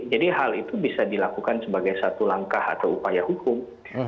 jadi hal itu bisa dilakukan sebagai satu langkah atau upaya hukum